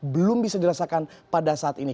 belum bisa dirasakan pada saat ini